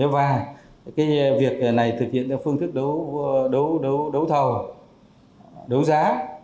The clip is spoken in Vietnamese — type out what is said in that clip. và cái việc này thực hiện theo phương thức đấu thầu đấu giá